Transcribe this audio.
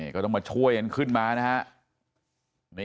ก็ต้องช่วยเขาขึ้นมานะครับ